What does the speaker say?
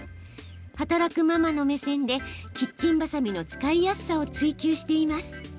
働くママの目線でキッチンバサミの使いやすさを追求しています。